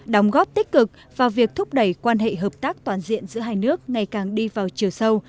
đóng góp tích cực vào việc thúc đẩy quan hệ hợp tác toàn diện giữa hai nước ngày càng đi vào chiều sâu